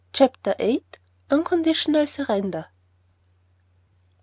CHAPTER VIII. UNCONDITIONAL SURRENDER.